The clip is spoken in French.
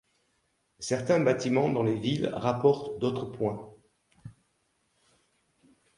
Certains bâtiments dans les villes rapportent d'autres points.